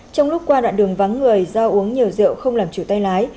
trong lúc qua đoạn đường vắng người do uống nhiều rượu không làm chủ tay lái